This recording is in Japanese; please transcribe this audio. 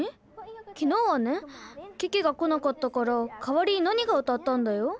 きのうはねケケが来なかったからかわりにノニが歌ったんだよ。